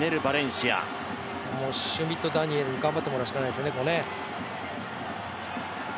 シュミット・ダニエルに頑張ってもらうしかないですね。